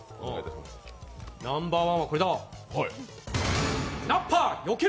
ナンバーワンはこれだ！